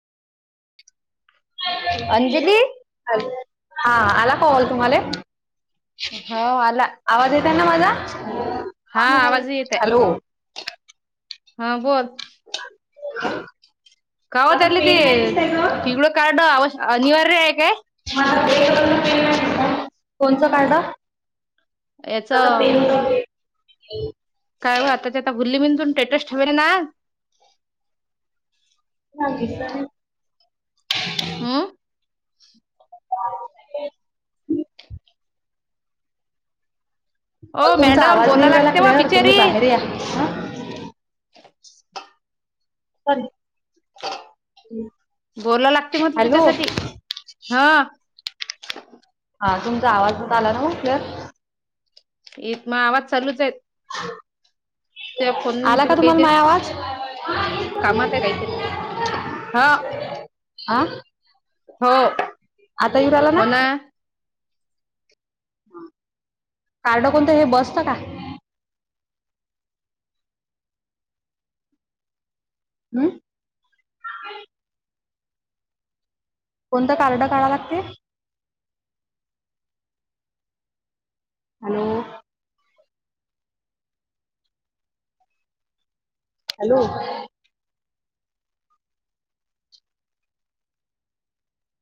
Anjali hello हा आला का कॉल तुम्हाला? होव आला. आवाज येत आहे ना माझा? हा आवाजही येत हॅलो आहे हा बोल [unintelligible] गावात माझा आले ते पेन नाही दिसतय ग पिवळ कार्ड अनिवार्य आहे काय? [unintelligible] याचा माझा पेन होता ग्रे काय आताच्या आता भुलीबिंदुन टेटस ठेवली ना [unintelligible] हो [unintelligible] ओ मला तुमचा मॅडम आवाज नाही बोला येऊ लागते वा लागला तुम्ही बिचारी बाहेर या सॉरी. बोला लागती म्हटलं हॅलो तिच्यासाठी ह हा तुमचा आवाज आला ना उशर इथ मग आवाज चालूच आहेत. आला तुला का तुम्हाला काहीतरी माय आवाज? कामात आहे काहीतरी हा आ हो हो ना कार्ड कोणत हे बसच का? हम्म. कोणतं कार्ड काढायला लागते? हॅलो. हॅलो.